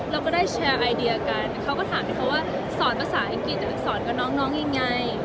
เราก็ได้แชร์ไอเดียกันเขาก็ถามที่เขาว่าสอนภาษาอังกฤษแต่ไปสอนกับน้องยังไง